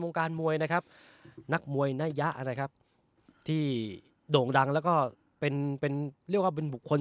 การมวยนะครับนักมวยนายะนะครับที่โด่งดังแล้วก็เป็นเป็นเรียกว่าเป็นบุคคล